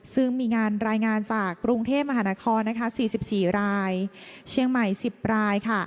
ซึ่งมีงานรายงานจากกรุงเทพมหานคร๔๔รายเชียงใหม่๑๐ราย